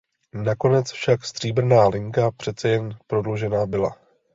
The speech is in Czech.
Nakonec však stříbrná linka přece jen prodloužena byla.